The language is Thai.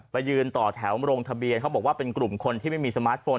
ยืนต่อแถวลงทะเบียนเขาบอกว่าเป็นกลุ่มคนที่ไม่มีสมาร์ทโฟน